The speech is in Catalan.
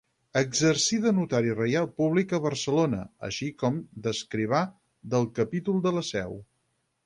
Exercí de notari reial públic a Barcelona, així com d'escrivà del Capítol de la Seu.